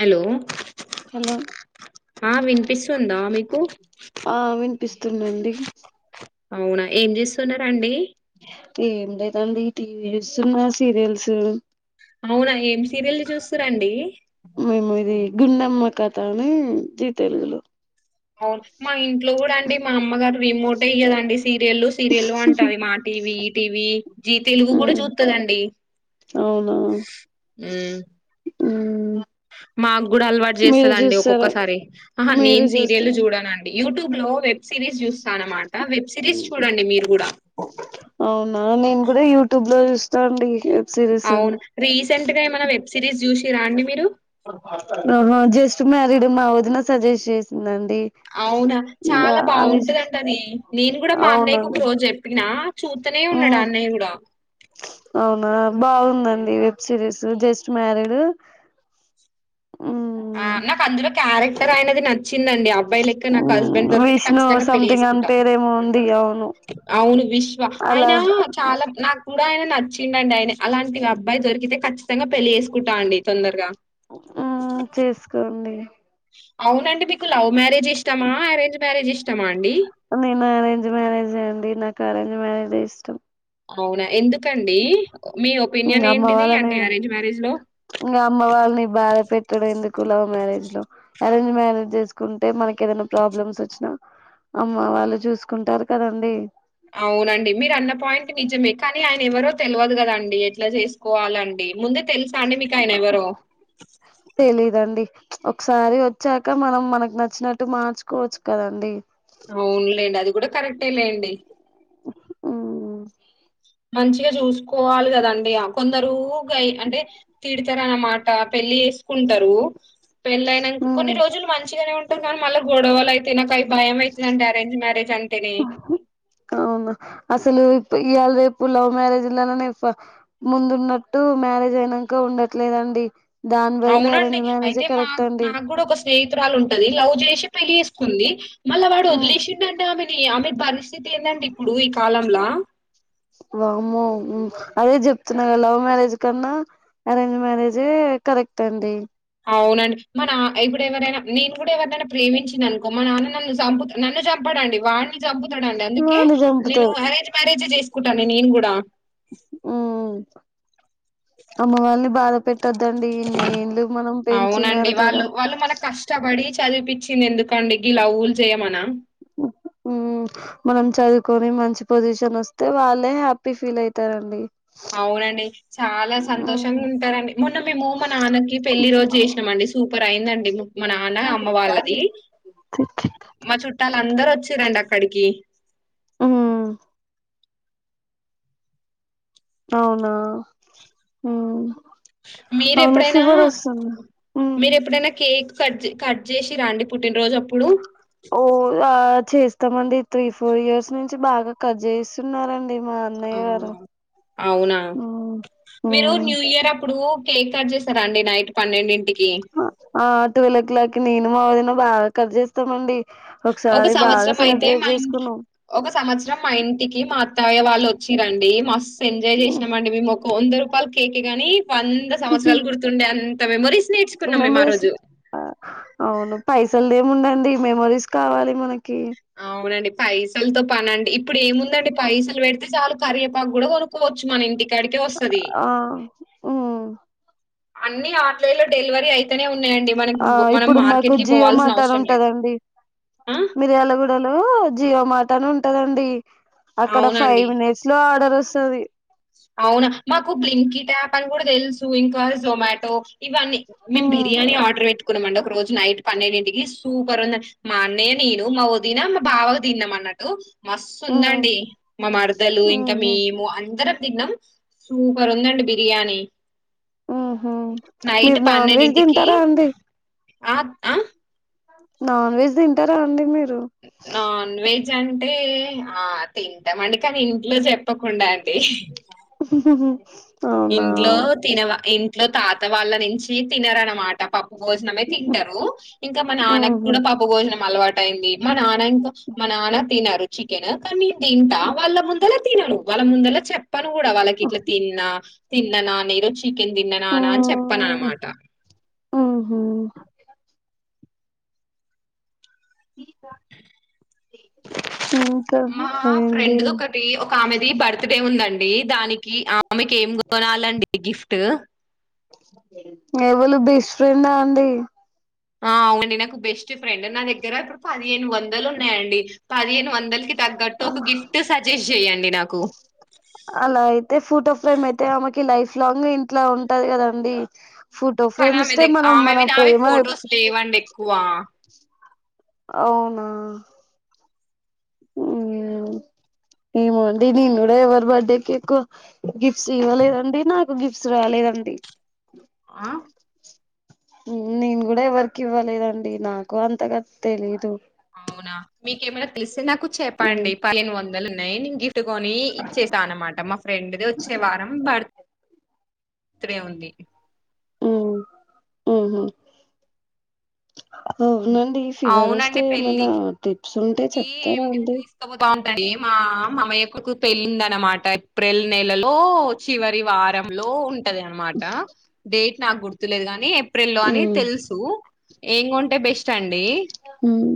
Hello hello ఆ వినిపిస్తుందా మీకు ఆ వినిపిస్తుందండి. అవునా ఏం చేస్తున్నరండి. ఏం లేదండీ టీవీ చూస్తున్నా సీరియల్స్ అవునా ఏం సీరియల్లు చూస్తరండి. మేము ఇది గుండమ్మ కథ అని జీ తెలుగులో అవును మా ఇంట్లో కూడా అండి మా అమ్మగారు రిమోటే ఇయ్యదండి. సీరియలు సీరియలు అంటాది మా టీవీ టీవీ జీ తెలుగు కూడా చూస్తదండి. ఊ ఊ మాకు కూడా అలవాటు చేస్తాదండి ఒక్కొక్కసారి ఆహ నేను మీరు సీరియల్ చూస్తారా చూడనండి. యూట్యూబ్ లో వెబ్ సిరీస్ చూస్తా అన్నమాట వెబ్ సిరీస్ చూడండి మీరు కూడా ఆ నేను కూడా యూట్యూబ్ లో చూస్తా అండి. సిరీస్ అవును రీసెంట్ గా ఏమన్న వెబ్ సిరీస్ చూసి తీరా అండి మీరు ఆహా జస్ట్ మ్యారీడ్ మా వదిన సజెస్ట్ చేసిందండి. అవునా ఇంకా చాలా అవి బాగుంటదంటనే నేను కూడా మా అన్నయ్యకి ఒక అవునండి రోజు చెప్పినా చూత్తనే ఉన్నాడు ఉమ్ అన్నయ్య కూడా అవునా బాగుందండి వెబ్ సిరీస్ జస్ట్ మ్యారీడ్ ఆ ఉమ్ నాకు అందులో క్యారెక్ట్ టర్ అయనది నన్ చ్చిందండి అబ్బాయి లెక్క నాకు హస్బెండ్ దొరికితే విష్ణు ఖచ్చితంగా పెళ్లి సంథింగ్ అని చేేసుకుంటా పేరేమో ఉంది అవును అవును విశ్వ అలా అయన చాలా నాకు ఆయన నచ్చిండండి ఆయన అలాంటివి అబ్బాయి దొరికితే ఖచ్చితంగా పెళ్లి చేేసుకుంటా అండి తొందరగా ఉమ్మ్ చేసుకోండి అవును అండి మీకు లవ్ మ్యారేజి ఇష్టమా అరేంజ్ మ్యారేజ్ ఇష్టమా అండి కారంగా మేడందే ఇష్టం అవునా ఎందు ఇంగ అమ్మ వాళ్ళని అంటే అరేంజ్ మ్యారేజ్ లో ఇంగ అమ్మ వాళ్ళని బాధ పెట్టడం ఎందుకు లవ్ మ్యారేజ్ లో అరేంజ్ మ్యారేజ్ చేసుకుంటే, మనకి ఏదైనా ప్రాబ్లమ్స్ వచ్చినా అమ్మ వాళ్ళు చూసుకుంటారు కదండి. అవునండి. మీరన్న పాయింట్ నిజమే. కానీ ఆయన ఎవరో తెలవదు కదండి ఎట్లా చేసుకోవాలండి ముందే తెలుసా అండి మీకాయనెవరో? తెలీదండి ఒకసారి వచ్చాక మనం మనకు నచ్చినట్టు మార్చుకోవచ్చు కదండి అవునులేండి అది కూడా కరెక్టే లేండి ఉమ్ మంచిగా చూసుకోవాలి కదండి ఆ కొందరు అయి అంటే తీడిత అన్నమాట పెళ్ళి చేసుకుంటారు పెళ్ళయినంకా కొన్ని మ్ రోజులు మంచిగానే ఉం కనీ మళ్ళ గొడవలైతే నాకై భయం ఐతుదండి అరేంజ్ మ్యారేజ్ అంటేనే అవును అసలు ఇప్ ఇయాళ రేపు లవ్ మ్యారేజ్లాలనే ఫా ముందున్నట్టు మ్యారేజ్ అయినంకా ఉండట్లేదండి దాని బదులు అరేంజ్ అవునండి. మ్యారేజే అయితే మా కరెక్ట్ అండి నాకు కూడా ఒక స్నేహితురాలు ఉంటది లవ్ చేసి పెళ్లిచెస్ కుంది మళ్ళ వాడు హ్మ్ వదిలేసిండంటే ఆమెను టె ఆమె భరిస్ పరిస్థితి ఏందండి ఇప్పుడు ఈ కాలంలా వామ్మో హ్మ్ అదే చెప్తున్నా లవ్ మ్యారేజ్ కన్నా అరేంజ్ మ్యారేజే కరెక్ట్ అండి అవునండి. మా నా ఇప్పుడు ఎవరైనా నేను కూడా ఎవరైనా ప్రేమించిననుకో, మా నాన్న నన్ను చంపు నన్ను చంపడండి వాడిని చంపుతాడండి అందుకే వాన్ని నేను చంపుతారు అరేంజ్ మ్యారేజ్ చేసుకుంటాను నేను కూడా హ్మ్ తదండి ఇన్ని ఏండ్లు మనం పెంచినారు కదా చదిపిచ్చింది ఎందుకండి గి లవ్వులు చేయమనా ఉమ్ మనం చదువుకొని మంచి పొజిషన్ అస్తే వాళ్ళే హ్యాపీ ఫీల్ అయితారండి అవునండి చాలా హ్మ్ సంతోషంగా ఉంటారండి. మొన్న మేము మా నాన్నకి పెళ్లి రోజు చేసినాం అండి. సూపర్ అయిందండి మా నాన్న అమ్మ వాళ్ళది మా చుట్టాలందరూ చ్చరండి అక్కడికి ఆ అవునా ఉ మీరెప్పుడైనా ఉమ్ మీరెప్పుడైనా కేక్ కట్ కట్ చేసి రా అండి పుట్టినరోజు అప్పుడు ఓ ఆ చేస్తామండి త్రీ ఫోర్ ఇయర్స్ నుంచి బాగా కట్ చేయిస్తున్నారం అవునా అవునా ఉమ్ ఉమ్ మీరు న్యూ ఇయర్ అప్పుడు కేక్ కట్ చేసారా అండి నైట్ పన్నెండింటి ఆ ట్వోవెల్ ఓ క్లాక్ ని సినిమావదిన బాగా కట్ చేస్తామండి ఒక ఒకసారి బాగా సంవత్సరం అయితే సెలబ్రేట్ మం చేసుకున్నాం ఒక సంవత్సరం మా ఇంటికి మాత్రం య వాళ్ళు వచ్చిరండి మ ఎంజాయ్ చేసినామం మేము ఒకందరు పల్ కేకే కాగానీ వంద సంవత్సరాలు గుర్తుండే అంత మెమరీస్ నేర్చుకున్నాం మేము ఆ మెమోరీస్ రోజు అవును పైసలు ద ఉండండి మెమరీస్ కావాలి మనకి అవునండి ఫైసలుతో పానా అంట ఇప్పుడు ఏముందండి పైసలు పెడితే చాలు కరియపాకు కూడా కొనుక్కవచ్చు మన ఇంటికి ఆ అన్ని ఆన్లైన్ లో డెలివరీ అయితేనే ఉ ఆ ఇప్పుడు మాకు జియో మార్ట్ అని అవసరం లేదు ఉంటదండి ఆ మీరు ఎలా కూడా హలో జియో మాట్ అని ఉంటదండి అక్కడ ఫైవ్ అవునండి మినిట్స్ లో తెలుస్తది అవునా మాకు బ్లింకిట్ అప్ అని కూడా తెలుసు ఇంకా జొమటో ఇవన్నీ మేము ఉమ్ బిర్యానీ ఆర్డర్ పెట్టుకున్నామండి ఒక రోజు నైట్ పన్నెడింటికి సూపర్ ఉంది మా అన్నయ్య నేను మా వదిన మా బావకు తిన్నాం అన్నట్టు మస్తు ఉమ్ ఉందండి మా మరదలు ఇంకా ఉహు మేము అందరం సూపర్ందండి బిర్యానీ ఉహ నైట్ మీరు నాన్ వెజ్ పన్నెండింటికి తింటారా అండి ఆ ఆ నాన్ వెజ్ తింటారా అండి మీరు నాన్ వెజ్ అంటే ఆ తి టం అండి కాని ఇంట్లో చెప్పకుండా అండి అవునా ఇంట్లో తినవా ఇ లో తాత వాళ్ళ నుంచి తినారనమాట పప్ భోజనమే తింటరు ఇంకా మా ఉహు నాన్నక్కూడా పప్పు భోజనం అలవాట్ అయింది మా నాన్న ఇంకా మా నాన్న తినరు చికెన్ ఆ కాని నేను తింటా వాళ్ళ ముందల తినను వాళ్ళ ముందల చె ప్పను కూడా వాళ్ళకిట్ల తిన్నా తిన్ననా నే ఈరోజు చికెన్ తిన్ననానా అని చెప్పను అనమాట ఉహూ ఇంకా మా అదేంది ఫ్రెండ్ది ఒకటి ఒక ఆమెది బర్త్ డే ఉందండి దానికి ఆ మీకు ఏం కొనాలండి గిఫ్ట్ ఎవళు బెస్ట్ ఫ్రెండా అండి ఆ అవునండి నాకు బెస్ట్ కి ఫ్రెండ్ నా దగ్గర ఇప్పుడు పదిహేను వందలు ఉన్నాయండి. పదిహేను వందలకి తగ్గట్టు ఒక గిఫ్ట్ సజెస్ట్ జేయండి నాకు, ఫ్లాంగ్ ఇంట్లో ఉంటది కదండి ఫోటో కానీ ఫ్రేమ్ ఆమె ఇస్తే దెగ్ మనం మన ఆమెవి నావి ప్రేమ ఫొటోస్ లేవండి ఎక్కువ అవునా ఏమో అండి నేను కూడా ఎవరి బర్త్ డే కి ఎక్కువ గిఫ్ట్స్ ఇవ్వలేదండి నాకు గిఫ్ట్స్ రాలేదండి. ఆ నేను కూడా ఎవరికి ఇవ్వలేదండి నాకు అంతగా తెలీదు అవునా మీకేమైనా తీస్ నాకు మ్మ్ చెప్పండి పదిహేను వందలు నైనింగ్ గిఫ్ ట్టుకొని ఇచ్చేస్తా అనమాట మా ఫ్రెండ్ ది వచ్చే వారం బర్త్ ర్త్ డే ఉంది ఉ ఊహూ ఔనండి ఫివర్ వస్తే అవునండి పెళ్ళికి ఏమైనా టి ప్స్ ఉంటే చెప్తారా అండి వండి మా మామయ్యకు పెళ్ళుందనమాట ఏప్రిల్ నెలలో చివరి వారంలో ఉం టది అనమాట డేట్ నాకు గుర్తులేదు గాని ఏ ప్రిల్లో అని మ్మ్ తెలుసు ఏం కొంటే బెష్ స్టండి మ్మ్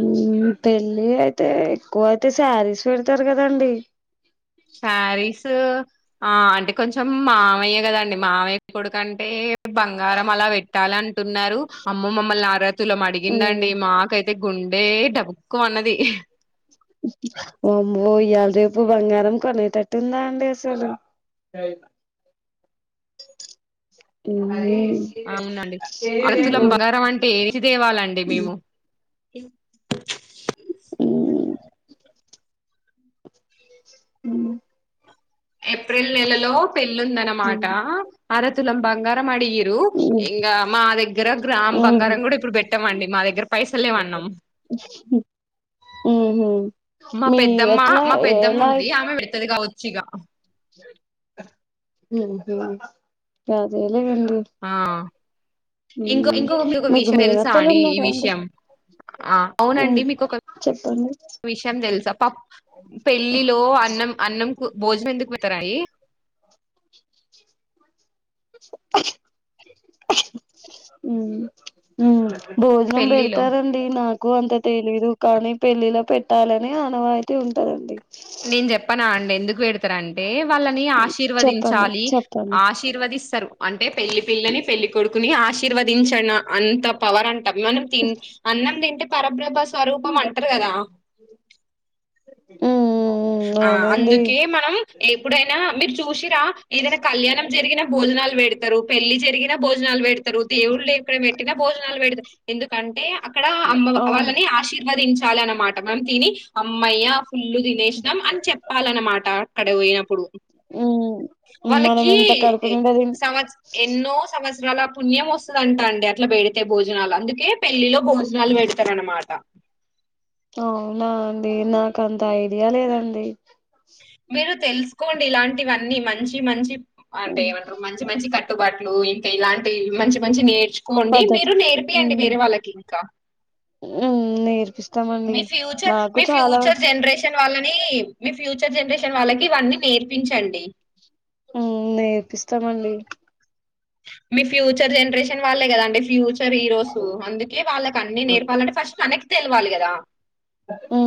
మ్మ్ పెళ్ళి అయితే ఎక్కువైతే శారీస్ పెడుతారు కదండీ. శారీస్ ఆ అంటే కొంచెం మామయ్య కదండి. మామయ్య కొడుకంటే బంగారం అలా పెట్టాలి. అంటున్నారు అమ్మ మమ్మల్ని అర తులం మ్మ్ అడిగిందండి మాకైత్ తే గుండె డబుక్కుమన్నది. ఒమ్మో ఇయాళ రేపు బంగారం కొనేటట్టుందా అండి అసలు ఉ అవునండి అర్తులం మ్మ్ బంగారం అంటే ఏటిదా తేవాలండి మేము ఇ [inaudible] ఉ ఏప్రిల్ నెలలో పెళ్ళి ఉందనమాట మ్మ్ అరతులం బంగారం అడిగి ఇరు. ఉమ్ ఇంకా మా దగ్గర గ్రామ్ ఉమ్ బంగారం కూడా ఇప్పుడు పెట్టమండి. మా దగ్గర పైసలేమన్నాం. ఉహు మా మీ పెద్దమ్మ ఎట్లా మా పెద్దమ్మ ఎలా ఉంటది ఆమె పెడతది కావచ్చు చిగా మ్మ్ హూ అదే ఇ వెండు ఆ ఇంకో ఇంకొక మీకు ఒక విషయం తెలుసా మేనత్తలు అండి. ఈ ఉన్నారా అండి విషయం అ ఉమ్ అవునండి. మీకొక చెప్పండి విషయం తెలుసా ప పెళ్ళిలో అన్నం అన్నం కూ భోజనం ఎందుకు పెత్తరయి ఉ ఉ భోజనం పెళ్ళిలో పెడతారండి నాకు అంత తెలీదు కానీ పెళ్ళిలో పెట్టాలని ఆనవాయితీ ఉంటదండి. నేను చెప్పనా అండి ఎందుకు పెడతార అం అంటే వాళ్ళని చెప్పండి ఆశీర్వదించాలి. చెప్పండి ఆశీర్వదిస్తారు. అంటే పెళ్లి పిల్లని పెళ్లి కొడుకుని ఆశీర్వదించన అంత పవర్ అన్ మనం తిన్ అన్నం తింటే పరబ్రహ్మ స్వరూపం అంటరు కదా ఉమ్ ఉమ్ ఆ అవునండి అందుకే మనం ఎప్పుడైనా మీర్ చూషి ర్ కా ఏదైనా కళ్యాణం జరిగిన భోజనాలు పెడతరు పెళ్లి జరిగినా భోజనాలు పెడత్ రు దేవుళ్ళు ఎక్కడ పెట్టినా భోనాలు పెడతరు ఎందుకు కంటే అక్కడ అమ్మ ఆ వాళ్ళని ఆశీర్వదించాలి అన్నమాట మనం తిని అమయ్యా ఫుల్ళు తినేసాం అని చెప్పాలనమాట అక్కడ పోయినప్పుడు ఉమ్ మనం వాళ్ళకి ఎంత కడుపు నిండా తిన్ సమస్ ఎన్నో సమస్య చాలా పుణ్యం వస్తుందంటా అండి అట్లా పెడితే భోజనాలు అందుకే పెళ్లిలో భోజనాలు పెడతార అనమాట. అవునా అండి నాకు అంత ఐడియా లేదండి. మీరు తెలు కోండి ఇలాంటివన్నీ మంచి మంచి అంటే ఉమ్ ఏమంటారు మంచి మంచి క టుబాట్లు ఇంకా ఇలాంటి మంచి మంచి నేర్చు కోమండి పద్ధతి మీరు నేర్పియండి వేరే వాళ్ళకి ఇంకా ఉ నేర్పిస్ మీ ఫ్యూచర్ మీ ఫ్యూచర్ జనరేషన్ వాళ్ళని మీ ఫ్యూచర్ జనరేషన్ వాళ్ళకి ఇవన్నీ నేర్పించండి ఉ నేర్పిస్తామండి మీ ఫ్యూచర్ జనరేషన్ వాళ్ళే కదాండి ఫ్యూచ్ ఈ రోజు అందుకే వాళ్ళకి అన్ని నేర్పాలంటే ఫస్ట్ మనక్ తెలవాలి కదా ఉ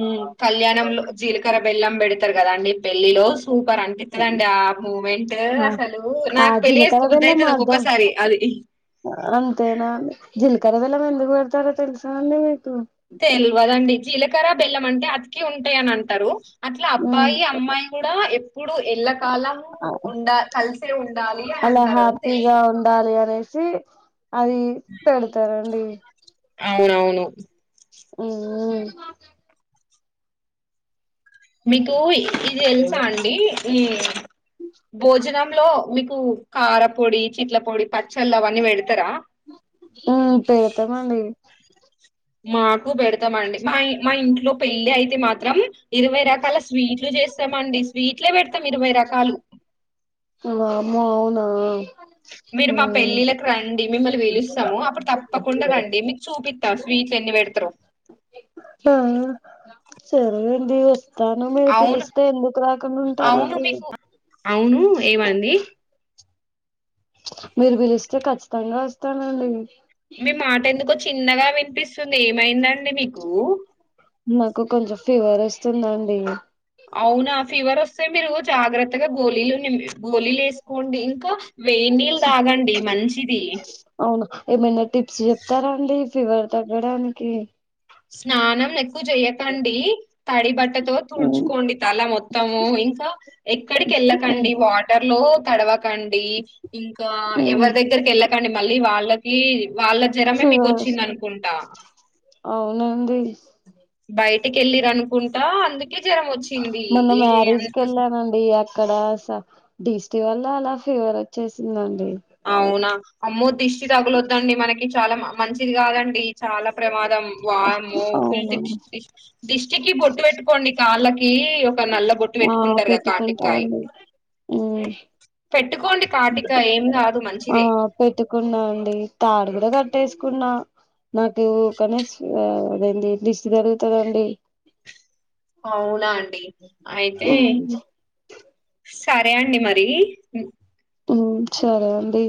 ఉ కళ్యాణంలో జీలకర బెల్లం పెడి కదా అండి పెళ్ళిలో సూపర్ అపిస్తదిండి ఆ మూమెంట్ ఆ అసలు ఆ నాకు పెళ్లి జీలకర్ర చేసుకోబుద్దు బెల్లం అవుతుంది అర్ధం ఒక్కొక్కసారి అది సరే సాల్లే ఇక తెల్వదండి జీల కర బెల్లం అంటే అతికి ఉంటాయని అంటారు అట్లా ఉమ్ అబ్బాయి అమ్మాయి కూడా ఎప్పుడు ఎళ్లకాలము అ ఉండ కలిసే ఉండాలి అని అలా అంటారు అని తెలుసు హ్యాపీగా ఉండాలి అనేసి అది పెడతారండి అవునవును ఉ ఉ మీకు ఇది తెలుసా అండి ఉ భోజనంలో మీకు కారపొడి, చిట్ల పొడి, పచ్చళ్ళు అవన్నీ పెడతారా ఉమ్ పెడతామండి మా పెడతామండి మా మా ఇంట్ లో వెళ్ళి అయితే మాత్రం ఇరవై రకాల స్వీట్లు చేస్తామండి స్వీట్లే పెడతాం ఇరవై రకాలు ఆ మీరు మా పెళ్ళిళకి రన్ మిమ్మల్ని పిలుస్తాము అప్పుడు తప్పకుండా రండి మీకు చూపిత్త స్వీట్లు ఎన్ని పెడతారు ఆ సరే అండి వస్ తను మీరు అవును పిలిస్తే ఎందుకు రాకుండా అవును ఉంటారండి మీకు అవును ఏమండి మీరు పిలిస్తే కఖచ్చితంగా వస్తానండి మీ మాట ఎందుకొ చిన్నగా వినిపిస్తు స్తుంది ఏమైందండి మీకు నాకు కొంచెం ఫీవర్ వస్తుందాండి అవునా ఫీవర్ వస్తే మీరు జాగ్రత్తగా గోలీలు నిమ్ గోలీలు వేసుకోండి ఇంకా వే నీళ్ళ తాగండి మంచిది ఫివర్ తగ్గడానికి స్నానం నెక్ చెయకండి తడి బట్టతో హ్మ్, తుడుచుకోండి తల మొత్తము, ఇంకా ఎక్కడికి హ్మ్, వెళ్ళకండి వాటర్ లో. తడవకండి ఇంకా హ్మ్. ఎవరి దగ్గరికెళ్ళ అండి. మళ్ళీ వాళ్ళకి వాళ్ళ జ్వరమే మీకు ఫీవర్ వచ్చిందనుకుంటా నండి బయటికి వెళ్లిర అనుకుంటా అందుక్ మొన్న మ్యారేజ్కి వెళ్ళానండి అక్ అక్కడ స దిష్టి వల్ల అలా ఫీవర్ వచ్చేసిందండి అవునా అమ్మో దిష్టి తగలొద్దండి మనకి చాలా మంచిది కాదండి చాలా ప్రమాదం వామ్మో, అవునా దిష్ దిష్టికి బొట్టు పెట్టుకోండి కాళ్ళకి ఒక నల్ల బొట్టు ఆ పెట్టుకుంటారు కదా పెట్టుకుంటా కాటికాయ, అండి హ్మ్. పెట్టుకోండి కాటికాయ ఏం కాదు. ఆ మంచిదే పెట్టుకున్నా అండి తా అడుగు కట్టేసుకున్నా నాకు ఉ గణష్ అదేడి దిష్టి తగుల్తాదండి అవునా అన్ డి అయితే ఉమ్ సరే అండి మరి హ్మ్ సరే అండి